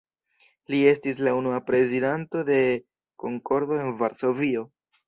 Li estis la unua prezidanto de „Konkordo“ en Varsovio.